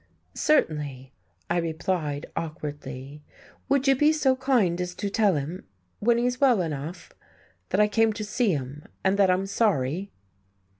"Certainly," I replied awkwardly. "Would you be so kind as to tell him when he's well enough that I came to see him, and that I'm sorry?"